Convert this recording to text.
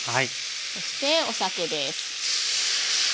そしてお酒です。